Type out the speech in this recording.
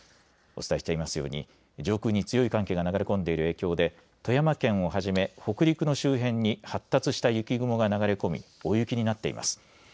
お伝えしていますように上空に強い寒気が流れ込んでいる影響で富山県をはじめ北陸の周辺に発達した雪雲が流れ込み大雪になっています。